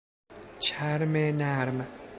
چرم نرم